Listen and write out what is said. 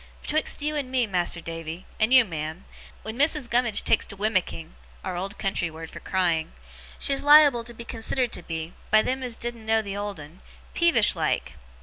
Betwixt you and me, Mas'r Davy and you, ma'am wen Mrs. Gummidge takes to wimicking,' our old country word for crying, 'she's liable to be considered to be, by them as didn't know the old 'un, peevish like.